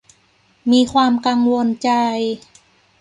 มีความกังวลใจ